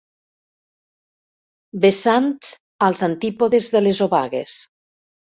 Vessants als antípodes de les obagues.